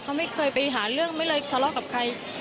เขาไม่เคยไปหาเรื่องไม่เคยทะเลาะกับใคร